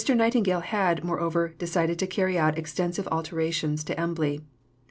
Nightingale had, moreover, decided to carry out extensive alterations at Embley.